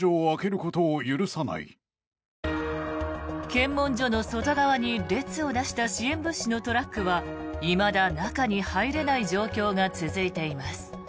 検問所の外側に列を成した支援物資のトラックはいまだ中に入れない状況が続いています。